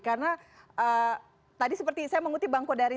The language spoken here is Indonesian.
karena tadi seperti saya mengutip bang kodari